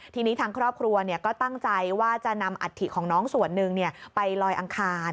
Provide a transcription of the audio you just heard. ทีนี้ทางครอบครัวก็ตั้งใจว่าจะนำอัฐิของน้องส่วนหนึ่งไปลอยอังคาร